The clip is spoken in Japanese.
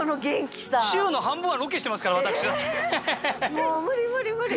もう無理無理無理。